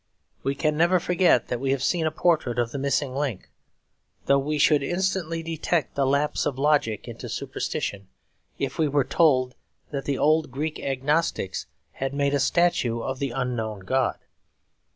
We can never forget that we have seen a portrait of the Missing Link; though we should instantly detect the lapse of logic into superstition, if we were told that the old Greek agnostics had made a statue of the Unknown God.